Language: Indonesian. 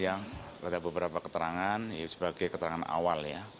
ada beberapa keterangan sebagai keterangan awal